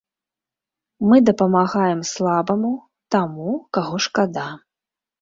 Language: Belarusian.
Мы дапамагаем слабаму, таму, каго шкада.